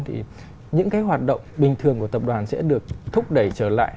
thì những cái hoạt động bình thường của tập đoàn sẽ được thúc đẩy trở lại